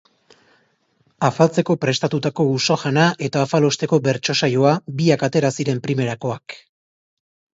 Afaltzeko prestatutako uso-jana eta afalosteko bertso-saioa, biak atera ziren primerakoak.